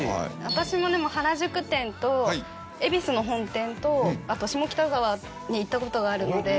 私も原宿店と恵比寿の本店とあと下北沢に行ったことがあるので。